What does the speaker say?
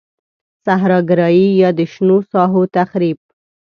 صحرا ګرایی یا د شنو ساحو تخریب.